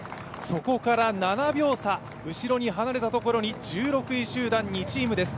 そこから７秒差、後ろに離れたところに１６位集団、２チームです。